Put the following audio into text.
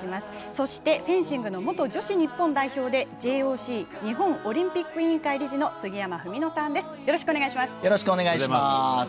女子フェンシングの元女子日本代表でＪＯＣ＝日本オリンピック委員会理事のよろしくお願いします。